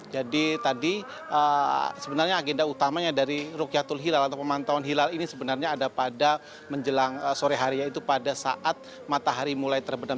jadi tadi sebenarnya agenda utamanya dari rukyatul hilal atau pemantauan hilal ini sebenarnya ada pada menjelang sore harinya itu pada saat matahari mulai terbenam